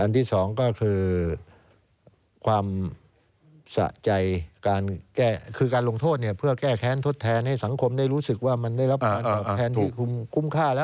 ที่สองก็คือความสะใจการแก้คือการลงโทษเนี่ยเพื่อแก้แค้นทดแทนให้สังคมได้รู้สึกว่ามันได้รับแทนที่คุ้มค่าแล้ว